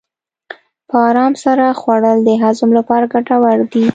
په ارام سره خوړل د هضم لپاره ګټور دي.